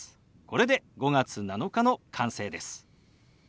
これで「５月７日」の完成です。